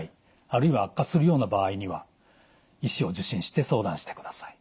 あるいは悪化するような場合には医師を受診して相談してください。